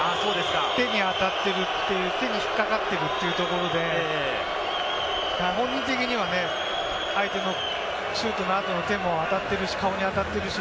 手に当たってるという、手に引っかかっているというところで、本人的にはね、相手のシュートの後の手も当たってるし、顔に当たってるし。